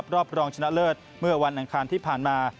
รอบรองชนะเลิศเมื่อวันอังคารที่ผ่านมา